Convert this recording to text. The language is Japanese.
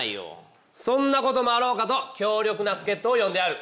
そんなこともあろうかと強力な助っとを呼んである。